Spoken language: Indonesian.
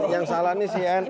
yang salah ini cnn